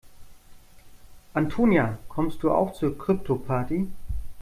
Antonia, kommst du auch zur Kryptoparty?